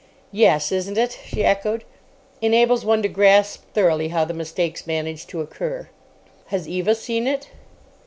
"Yes, isn't it?" she echoed. "Enables one to grasp thoroughly how the mistake managed to occur." "Has Eva seen it?"